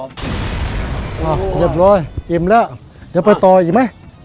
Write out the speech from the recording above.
เรียบร้อยอิ่มแล้วเดี๋ยวไปต่ออีกไหม